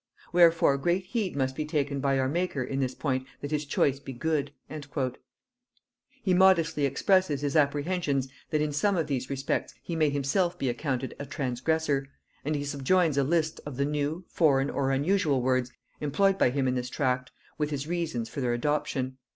Wherefore great heed must be taken by our maker in this point that his choice be good." He modestly expresses his apprehensions that in some of these respects he may himself be accounted a transgressor, and he subjoins a list of the new, foreign or unusual words employed by him in this tract, with his reasons for their adoption.